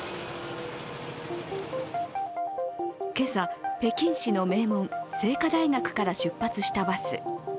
今朝、北京市の名門清華大学から出発したバス。